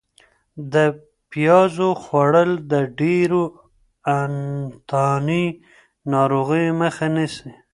د پیازو خوړل د ډېرو انتاني ناروغیو مخه نیسي.